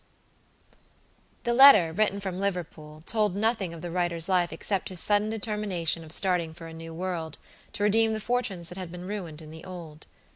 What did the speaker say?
The letter, written from Liverpool, told nothing of the writer's life except his sudden determination of starting for a new world, to redeem the fortunes that had been ruined in the old.